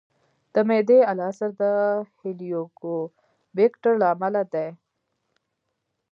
د معدې السر د هیليکوبیکټر له امله دی.